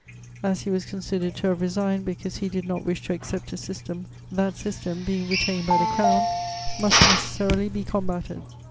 As he was considered to have resigned because he did not wish to accept a system, that system, being retained by the Crown, must necessarily be combated.